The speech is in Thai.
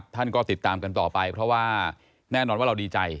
ท่านก็ติดตามกันต่อไปเพราะว่าแน่นอนว่าเราดีใจ